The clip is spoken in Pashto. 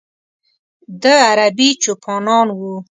د ه عربي چوپانان و.